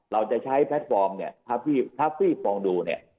เราจะใช้แพลตฟอร์มทัฟฟี่ฟองดู